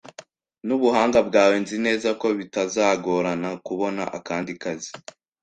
Nubuhanga bwawe, nzi neza ko bitazagorana kubona akandi kazi.